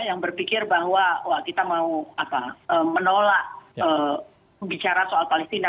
yang berpikir bahwa kita mau menolak bicara soal palestina